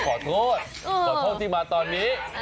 ขอโทษขอโทษที่มาตอนนี้